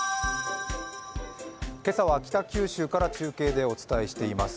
今朝は北九州から中継でお伝えしています。